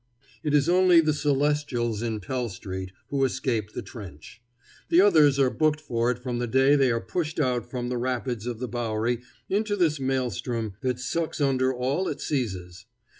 It is only the Celestials in Pell street who escape the trench. The others are booked for it from the day they are pushed out from the rapids of the Bowery into this maelstrom that sucks under all it seizes.